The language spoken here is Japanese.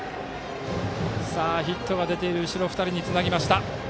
ヒットが出ている後ろ２人につなぎました。